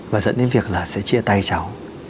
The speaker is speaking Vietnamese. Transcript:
và dẫn đến việc là sẽ chia tay cháu